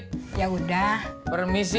terus mau ngopi di warung aji sodik